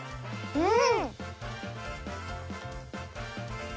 うん。